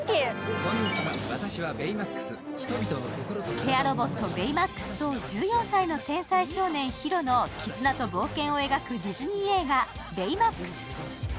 ケアロボット・ベイマックスと１４歳の天才少年・ヒロの絆と冒険を描くディズニー映画「ベイマックス」。